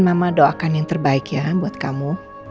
mama doakan yang terbaik ya buat kamu